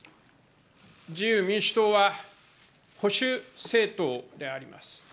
自由民主党は保守政党であります。